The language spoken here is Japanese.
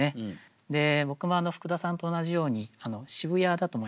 で僕も福田さんと同じように渋谷だと思いました。